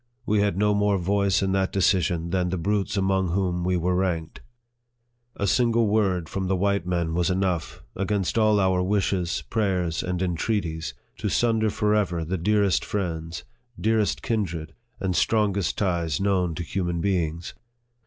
We had no more voice in that decision than the brutes among whom we were ranked. A single word from 46 NARRATIVE OP THE the white men was enough against all our wishes, prayers, and entreaties to sunder forever the dearest friends, dearest kindred, and strongest ties known to human beings.